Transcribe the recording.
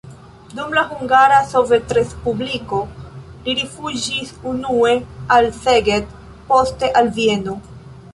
Dum la Hungara Sovetrespubliko li rifuĝis unue al Szeged, poste al Vieno.